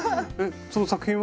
その作品は？